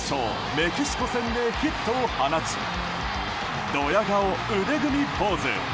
メキシコ戦でヒットを放ちドヤ顔腕組みポーズ。